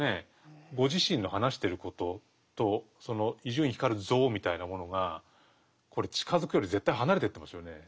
ご自身の話してることとその「伊集院光像」みたいなものがこれ近づくより絶対離れてってますよね。